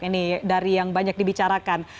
ini dari yang banyak dibicarakan